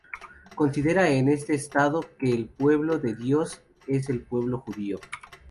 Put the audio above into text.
Considera en este estado que el pueblo de Dios es el pueblo judío.